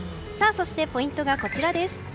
ポイントがこちらです。